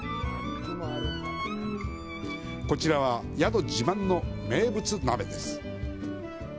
こちらは宿自慢の名物鍋です。